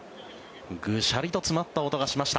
ぐしゃりと詰まった音がしました。